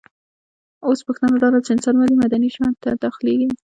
اوس پوښتنه داده چي انسان ولي مدني ژوند ته داخليږي؟